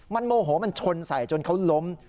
มันโมโหมันชนใส่จนเขาล้ม